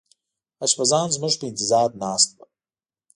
اشپزان زموږ په انتظار ناست وو.